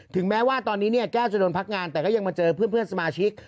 แม้ว่าตอนนี้เนี่ยแก้วจะโดนพักงานแต่ก็ยังมาเจอเพื่อนสมาชิก